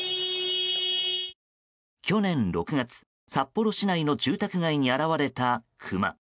去年６月、札幌市内の住宅街に現れたクマ。